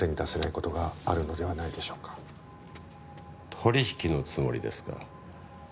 取引のつもりですか？